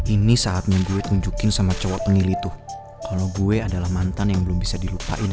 ini saatnya gue tunjukin sama cowok penilai tuh kalau gue adalah mantan yang belum bisa dilupain